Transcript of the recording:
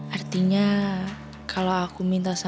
artinya kalau aku minta sama tuhan